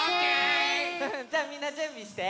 じゃみんなじゅんびして。